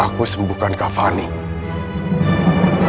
saya pikir bahwa sekarang benar benar ini saya ini personifikasi